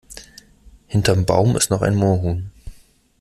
Hinterm Baum ist noch ein Moorhuhn!